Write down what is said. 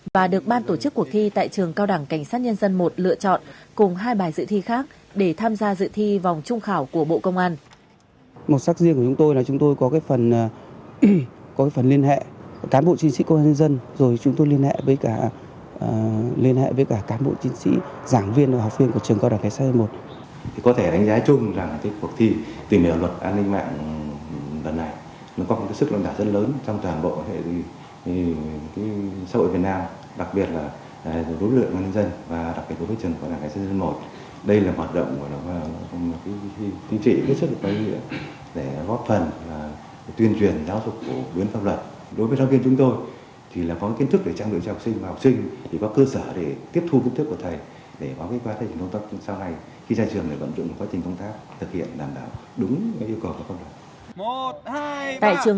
và được ban tổ chức cuộc thi tại trường cao đẳng cảnh sát nhân dân một lựa chọn cùng hai bài dự thi khác